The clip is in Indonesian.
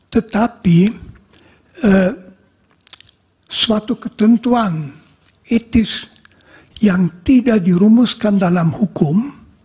tetapi suatu ketentuan etis yang tidak dirumuskan dalam hukum